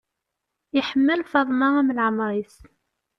Iḥemmel Faḍma am leɛmer-is.